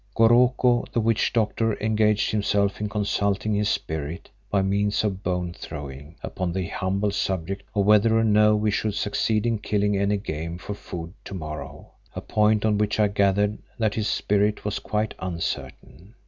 Goroko, the witch doctor, engaged himself in consulting his "Spirit," by means of bone throwing, upon the humble subject of whether or no we should succeed in killing any game for food to morrow, a point on which I gathered that his "Spirit" was quite uncertain.